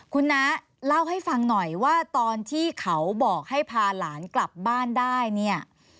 คุณน้าเล่าให้ฟังหน่อยว่าตอนที่เขาบอกให้พาหลานกลับบ้านได้เนี่ย